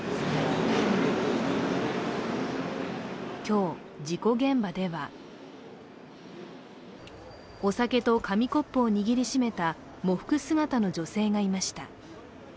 今日、事故現場ではお酒と紙コップを握りしめた喪服姿の女性がいました。